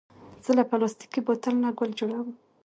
زه له پلاستيکي بوتل نه ګل جوړوم.